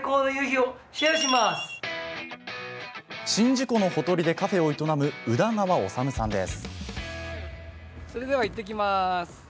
宍道湖のほとりでカフェを営む宇田川修さんです。